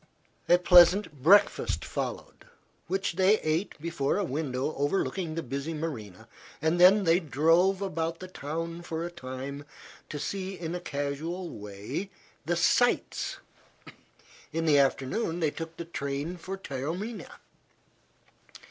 A pleasant breakfast followed, which they ate before a window overlooking the busy marina, and then they drove about the town for a time to see in a casual way the "sights." In the afternoon they took the train for Taormina.